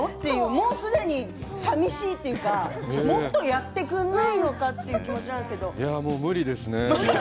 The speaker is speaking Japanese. もう、すでにさみしいっていうかもっとやってくんないのかっていう気持ちなんですけど。